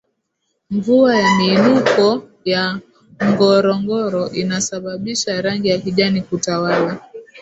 mvua ya miinuko ya ngorongoro inasababisha rangi ya kijani kutawala